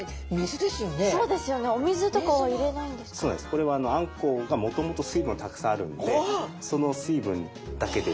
これはあんこうがもともと水分はたくさんあるんでだけで！